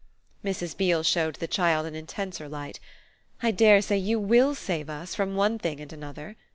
Mrs. Beale showed the child an intenser light. "I dare say you WILL save us from one thing and another."